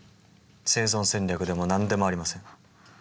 生存戦略でも何でもありません。